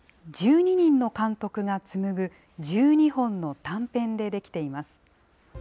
１２人の監督が紡ぐ１２本の短編で出来ています。